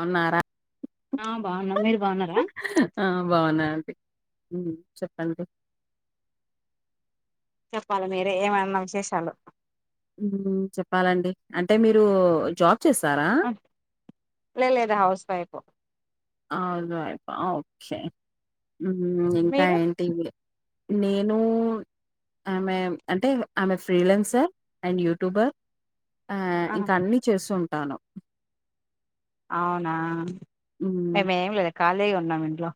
వున్నారా ఆ బాగున్నాం మీరు బాగున్నారా ఆ బాగున్నా ఉమ్ చెప్పండి చెప్పాల మీరే ఏమన్న విశేషాలు ఉమ్ చెప్పాలండి అంటే మీరు జాబ్ చేస్తారా లే లేద్ హౌస్ వైఫ్ హౌస్ వైఫ్ ఆ ఓకే ఉమ్ ఇంకా మీరు ఏంటి నేను ఆమె అంటే ఆమె ఫ్రీలెన్సర్ అండ్ యూట్యూబర్ ఆ ఆహా ఇంకా అన్ని చేస్తు ఉంటాను అవునా హ్మ్. మే మే ఏం లేదు ఖాళీగా ఉన్నాము ఇంట్లో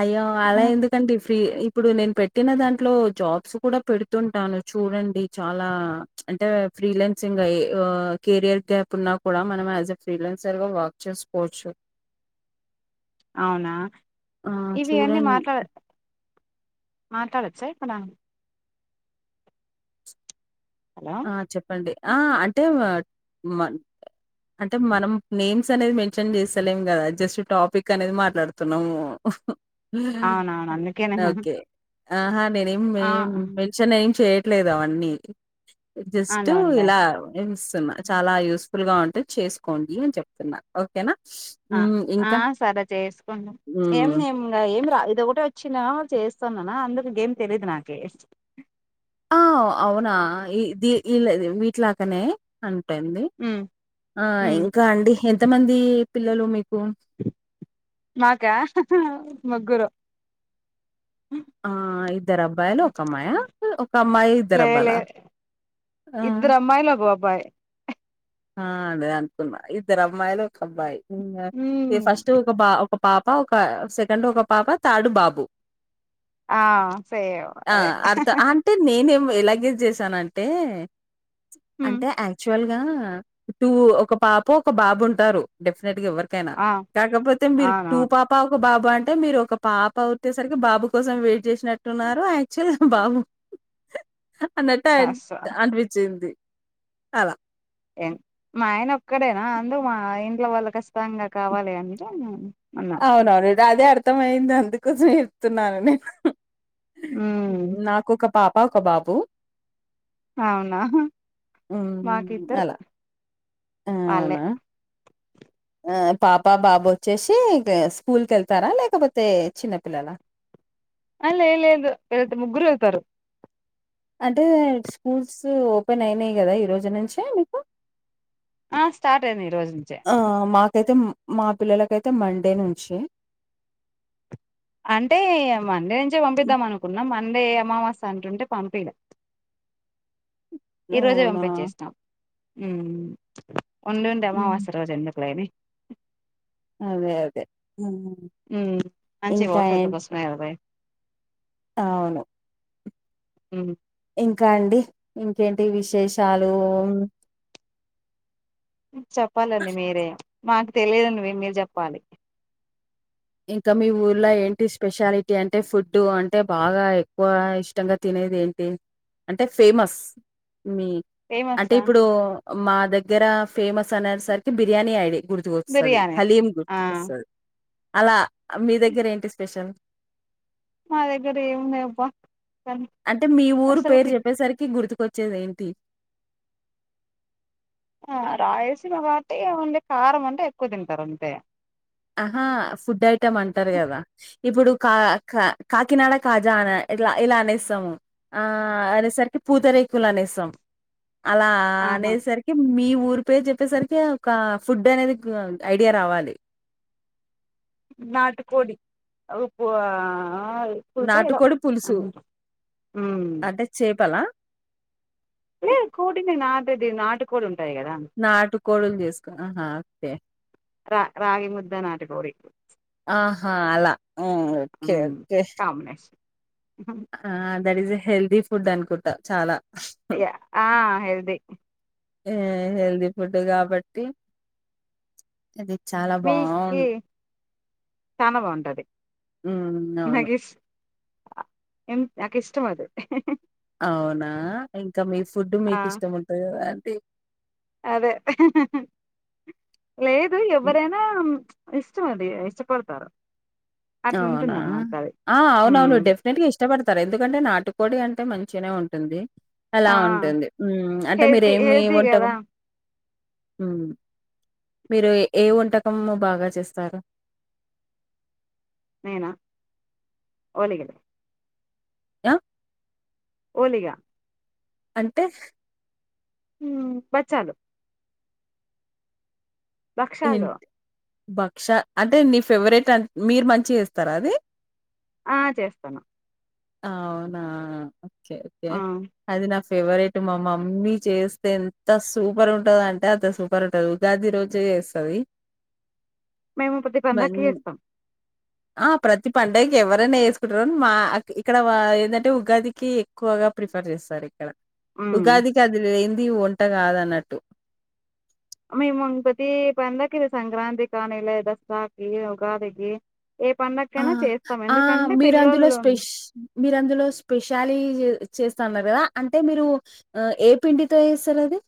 అయ్యో అలా ఎందుకండి ఫ్రీ ఇప్పుడు నేను పెట్టిన దాంట్లో జాబ్స్ కూడా పెడుతుంటాను చూడండి చాలా అంటే ఫ్రీలెన్సింగ్ అ కెరియర్ గ్యాప్ ఉన్నా కూడా మనం యాజ్ ఎ ఫ్రీలెన్సర్ గా వర్క్ చేస్ స్పోర్ట్స్ అవునా ఇవి అన్నీ చూడం మాట్లా మాట్లాడచ్చ ఇక్కల హలో ఆ చెప్పండి ఆ అంటే అంటే మనం నేమ్స్ అనేది మెన్షన్ చేస్తలేం కదా జస్ట్ టాపిక్ అనేది మాట్లాడుతున్నాము అవునవును అందుకేనే ఓకే ఆహా నేనేం ఆ మెన్షన్ చేయ్యట్లేదు అవన్నీ జస్ట్ అవునులే ఇలా చాలా యూస్ఫుల్ గా ఉంటే చేసుకోండి అని చెప్తున్నా ఓకేనా ఆ హ్మ్. ఆ ఇంకా సరే చేసుకుం ఏం హ్మ్. ఏం రా ఇద ఒకటి వచ్చిన చేస్తాన్ననా అందుకు గేమ్ తెలీదు నాకే ఆ అవునా ఈ వీటిలాకనే అ అంది ఉమ్ ఆ ఉమ్ ఇంకా అండి ఎంతమంది పిల్లలు మీ మాకా ముగ్గురు ఆ ఇద్దరు అబ్బాయిలు ఒక అమ్మాయ ఒక అమ్మాయి ఇద్దరు లే అబ్బాల లే ఇద్దరు అమ్మాయిలు ఒగ అబ్బాయ్ ఆ అదే అనుకున్నా ఇద్దరు అమ్మాయిలు ఒక అబ్బాయ్ ఉమ్ ఫస్ట్ ఒక బా ఒక పాప ఒక సెకండ్ ఒక పాప థర్డ్ బాబు ఆ సేవ్ ఆ అదే అర్థ అంటే నేనేం ఎలాగె జేసానంటే ఉమ్ అంటే యాక్చువల్ గా టూ ఒక పాప ఒక బాబు ఉంటారు డెఫ గా ఎవరికైనా ఆ కాకపోతే మీరు టూ అవునవును పాప ఒక బాబు బబ అంటే మీరు ఒక పాప ఉట్టేసరికి బాబు కోసం వెయిట్ చేసినట్టున్నారు యాక్చువల్ బాబు అన్నట్టు అన్ కాస్త అనిపించింది అలా మా ఆయన ఒక్కడేనా అందు మా ఇంట్లో వాళ్ళ ఖచ్చితంగా కావాలి అంటే నేను అవునవును అదే అర్థంమయింది అందుకోసం చెప్తున్నాను నేను ఉమ్ నాకు ఒక పాప ఒక బాబు అవునా మాకు హ్మ్. ఇద్దరు అలా. పాలె అవునా! పాప బాబు వచ్చేసి స్కూల్కి వెళ్తారా లేకపోతే చిన్నపిల్లల ఆ లేద్ లేదు ముగ్గురు వెళ్తారు అంటే స్కూల్స్ ఓపెన్ అయినాయి కదా ఈ రోజు నుంచే మీకు ఆ స్టార్ట్ అయింది ఈ రోజు నుంచే ఆ మాక అయితే మా పిల్లలకైతే మండే నుంచి అంటే మండే నుంచే హ్మ్. పంపిద్దాం అనుకున్నాం మ మండే అమావాస్యా అంటుంటే పంపిల ఈ రోజే అవునా! పంపించేసినాం ఉండుండి హ్మ్. అమావాస్య రోజు ఎందుకులేని అదే అదే ఉమ్ మంచి ఇంకా భవిష్యత్తు ఏం కోసమే కదా అవును ఉ ఇంకా అండి ఇంకేంటి విశేషాలు చెప్పాలండి మీరే మాకు తెలియదండి మే మీరు చెప్పాలి ఇంకా మీ ఊర్లో ఏంటి స్పెషాలిటీ అంటే ఫుడ్డు అంటే బాగా ఎక్కువ ఇష్టంగా తినే అనేది ఏంటి అంటే ఫేమస్ మీ అంటే ఫేమసా ఇప్పుడు మా దగ్గర ఫేమస్ అనే సరికి బిర్యానీ ఐడి గుర్తుకొస్తది బిర్యానీ హలీం ఆ గుర్తుకొస్తది అలా మీ దగ్గర ఏంటి స్పెషల్? మా దగ్గర ఏముంది అబ్బా కానీ అంటే మీ ఊరు పేరు అసలుకి చెప్పేసరికి గుర్తుకు కొచ్చేది ఏంటి? ఆ రాయలసిమ కాబట్టి ఉండే కారం అంటే ఎక్కువ తింటారు అంతే ఆహా ఫుడ్ ఐటెమ్ అంటారు కదా ఇప్పుడు కా కా కాకినాడ కాజా అనే ఇట్ల ఇలా అనేస్తాము ఆ అనేసరికి పూత రేకులు అనేస్తాం. అలా ఆహా అనేసరికి మీవ్ ఊరి పేరు చెప్పేసరికి ఒక ఫుడ్ అనేది క ఐడియా రావాలి. నాట్ కోడి అ ఉప్పువా ఆ పుల్సఏదో నాటుకోడి పులుసు ఉ మ్ అంటే చేపలా? లే కోడిని నాటుది నాటుకోడు ఉం నాటుకోడలు చేసుకొన హా అంతే రా రాగి ముద్ద నాటుకోడి ఆహా అలా ఉ ఓకే ఉమ్ ఓకే కాంబినేషన్ ఆ that is a healthy food అనుకుంటా చాలా ఇగ ఆ హెల్ది ఏ హెల్దీ ఫుడ్ కాబట్టి అది చాలా బావుం చనా బావుంటది ఉ అవును అ ఎం అక ఇష్టం అది అవునా ఇంకా మీ ఫుడ్ ఆ మీకు ఇష్టం ఉంటంది కదా ఆంటీ అదే అహ్హ్ లేదు ఎవరైనా ఇష్ట మది ఇష్టపడతారు. అవునా అట్లుంటుంది అనమాట అది ఆ అవునవును ఉమ్ డెఫినెట్ గా ఇష్టపడతారు ఎందుకంటే నాటుకోడి అం టే మంచిగానే ఉంటుంది అలా ఆ ఉంటుంది మ్ అంటే మీర హెల్తీ ఏమి హెల్తీ వంటరు కదా మ్ మీరు ఏ వంటకము బాగా చేస్తారు? నేనా ఓలిగలు యా ఓలిగా అంటే? మ్ బచ్చాలు భక్షాలు బక్ష అంటే నీ ఫేవరెట్ అన్ మీరు మంచి చేస్తారా అది ఆ చేస్తాను అవునా ఓకే ఓకే ఆ అది ర ఫేవరెట్ మా మమ్మీ చేస్తే ఎంత సూపర్ ఉంటది అంటే అంత సూపర్ ఉంటది ఉగాది రోజే చేస్తది మేము ప్రతి మన్ పందాకి చేస్తాం ఆ ప్రతి పండుగకి ఎవరైనా వేసుకుంటార మాకి ఇక్కడ వా ఏందంటే ఉగాదికి ఎక్కువగా ప్రిఫర్ చేస్తారు ఇక్కడ ఉమ్ ఉగాదికి అదిలెయిన్ ది వంట కాద అన్నట్టు మెమ పతీ పండగ కి సంక్రాంతి కానీలే దసరాకి, ఉగాదికి ఏ ఆ పండగకైనా చేస్తాం ఆ ఎందుకంటే మీరందులో పిల్లోళ్ళు స్పెస్ మీరందులో స్పెషాలిజు చేస్తాన్నారు కదా అంటే మీరు ఏ పిండితో చేస్తారు అది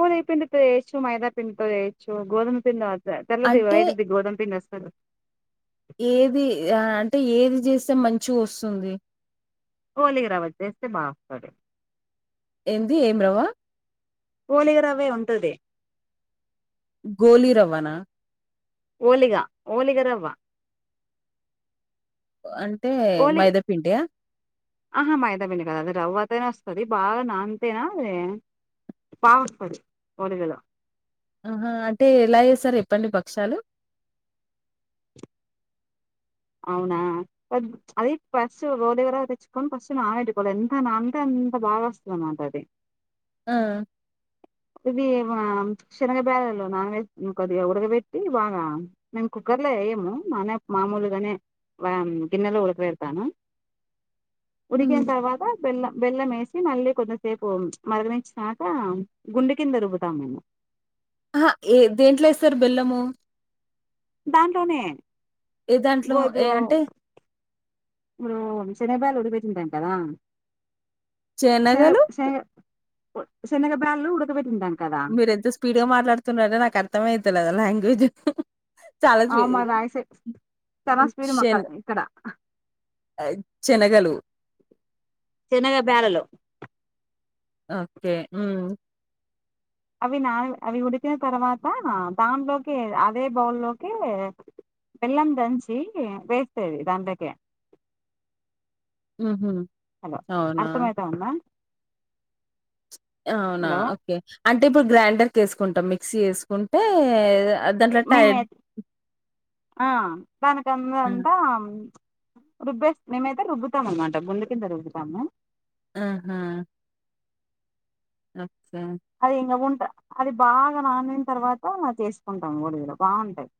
ఊద పిండుతో ఏచ్చు మైదా పిండుతో చేయచ్చు గోధుమ పిండు తెల్లది అంటే వైది గోదుమ పిండి అసలు ఏది అంటే ఏది చేస్తే మంచి వస్తుంది ఓలిగా రవ్వ చేస్తే బాగుంటది ఏంది ఏం రవ్వ ఓలిగా రవ్వే ఉంటది గోలిరవ్వనా ఓలిగా ఓలిగ రవ్వ అంటే ఓలి మైదా పిండి ఆహా మైదాబిండి కదా అది రవ్వతోనే వస్తది బాగా నాంతేనా అదే బాగ వస్తది ఓలిగలు ఆహ అంటే ఎలా చేస్తారు ఎప్పండి పక్షాలు అవునా అది ఫస్ట్ ఓలిగరవ్వ తెచ్చుకొని ఫస్ట్ నానపెట్టుకోవాలి ఎంత నానితే అ అంత బాగ వస్తద అన్నమాట అది ఆ ఇది శనగ బ్యాల్లు నాన్ వెజ్ కొద్దిగా ఉడగబెట్టి బాగా మేనుకు కుక్కర్లో వేయము మానే మామూలుగానే గిన్నెలో ఉడకబెడతాను ఉడికిన హ్మ్. తర్వాత బెల్లం బెల్లం వేసి మళ్ళీ కొంతసేపు మరగనిచ్చినాక గుండె కింద రుబ్బుతాము మేము ఆహా ఏ దేంట్లో ఏసార్ బెల్లము దాంట్లోనే ఏ దాంట్లో? గోధు ఏ అంటే శనగ బ్యాల్లు ఉడకపెట్టింటాం కదా శనగలు? సెనగ బ్యాల్లు ఉడకపె మీర ఎంత స్పీడ్ గా మాట్లాడుతున్నారో నాకు అర్థమవుతదా లాంగ్వేజ్ చాలా అ స్పీ మా రాయిసే చనా స్పీడు అక్క ఇక్కడ చెనగలు సెనగ బ్యాల్లు ఓకే ఉమ్ అవి నా అవి ఉడికిన తర్వాత దానిలోకి అదే బౌల్లోకి బెల్లం దంచి వేస్తే అది దాంలేకి ఉ హలో అర్థమైతాందా అవునా హలో ఓకే అంటే ఇప్పుడు గ్రైండర్ క వేసుకుంటాం మిక్సీ వేసుకుంటే అ దాంట్లో మేమే టైర్డ్ ఆ దాకందంతా రుబ్బే మేమైతే రుబ్బుతాం అనమాట గుండె కింద రుబ్బుతాము ఆహా ఓకే. అదే ఇంగ ఉం అది బాగా నానిన తర్వాత చేసుకుంటాం ఒలిగలు బాగుంటాయి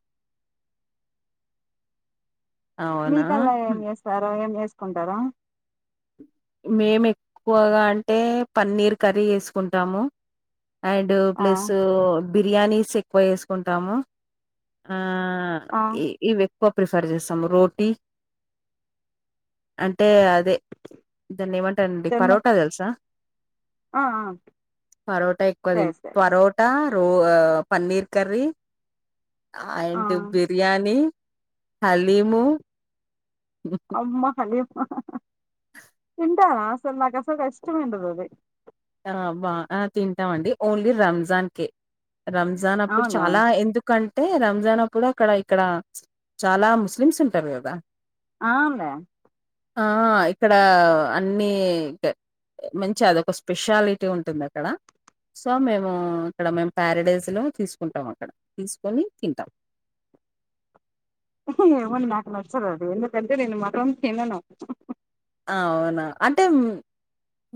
అవునా మీకలా ఏం చేస్తారో ఏం చేసుకుంటారా మేము ఎక్కువగా అంటే పన్నీర్ కర్రీ వేసుకుంటాము అండ్ ఆ ప్లస్ బిర్యానీస్ ఎక్కువ వేసుకుంటాము ఆ ఆ ఈ వ్యక్ ఎక్కువ ప్రిఫర్ చేస్తాము రోటీ అంటే అదే దాన్ని ఏమంటానండి జొన్న పరోటా తెలుసా ఆ ఆ పరోటా ఎక్కువ తిం సరే సరే పరోటా రో పన్నీర్ కర్రీ ఆ అండ్ బిర్యానీ హాలిము అమ్మ హాలీము ఉంటా అసలు నాకుసలు కష్టమే ఉండదది ఆ బా తింటాం అండి ఓన్లీ రంజాన్ కే రంజాన్ అప్పుడు అవునా చాలా ఎందుకన్ అంటే రంజాన్ అప్పుడు అక్కడ ఇక్కడ చాలా ముస్లిమ్స్ ఉంటారు కదా ఆనులే ఆ ఇక్కడ అన్ని మంచి అదకొస్ స్పెషాలిటీ ఉంటుంది అక్కడ సో మేము ఇక్కడ మేము ప్యారడైస్ లో తీసుకుంటాము అక్కడ తీసుకొని తిం ఏమోలే నాకు నచ్చదు అది ఎందుకంటే నేను మత్రం తిన్నను అవునా అంటే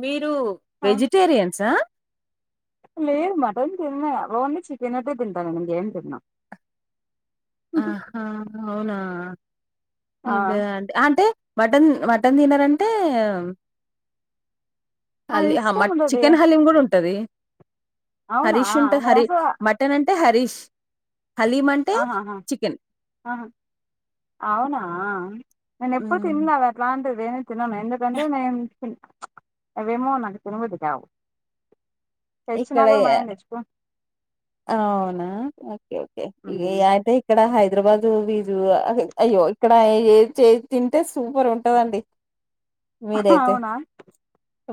మీరు ఆ, వెజిటేరియన్సా లేదు మటన్ తిన్న ఓన్లీ చికెన్ అయితే తింటా నేను ఏం తిన్ను ఆహా అవునా అ ఆ అంటే మటన్ మటన్ తినరంటే అది హల్లీ మ ఇష్టం ఉండది చికెన్ హలీం కూడ ఉంటది అవునా హరీష్ ఉంటు నేను హరీ అసలు మటన్ అంటే హరీష్ హలీం అంటే అ చికెన్. ఆహా అవునా నేను ఎప్పుడు హ్మ్. తినలేదే అట్లాంటిది ఏది తినను ఎందుకంటే నేన్ అవేమో నాకు తినబుద్ది కాదు ఇక్కడ అవునా ఓకే ఏ ఉమ్. యితే ఇక్క ఇక్కడ హైదరాబాదు వీజ అయ్యో ఇక్కడ ఏ చే తింటే సూపర్ ఉంటదండి మీరైతే అవునా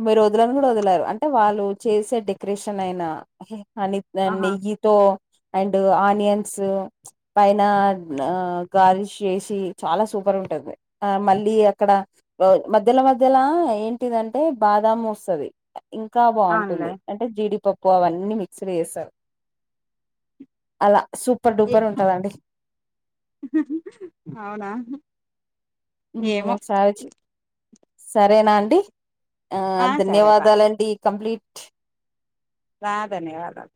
మీరు వదలని కూడా వదలరు అంటే వాళ్ళు చేసే క్రేషన్ అయిన అనిద్ధండి ఆహా నెయ్యితో అండ్ ఆనియన్స్ పైన ఆ గనిష్ చేసి చాలా సూపర్ ఉంటుంది ఆ మళ్ళీ అక్కడ మధ్యల మధ్యల ఏంటిదంటే బాదం వస్తది ఇంకా అవునులే బాగుంటుంది అంటే జీడిపప్పు అవన్నీ మిక్స్డ్ చేస్తారు అలా సూపర్ డూపర్ ఉంటదండి అవునా ఏమో ఒకసారి సరేనా అండి ఆ సరే బా ధన్యవాదాలండి కంప్లీట్ రా ధన్యవాదాలు